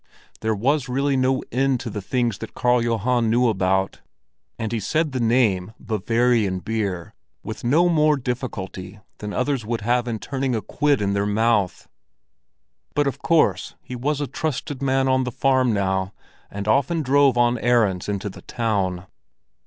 There was really no end to the things that Karl Johan knew about; and he said the name "Bavarian beer" with no more difficulty than others would have in turning a quid in their mouth. But of course he was a trusted man on the farm now and often drove on errands into the town.